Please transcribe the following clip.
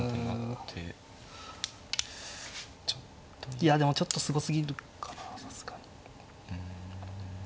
いやでもちょっとすごすぎるかなさすがに。